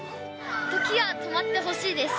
時が止まってほしいです。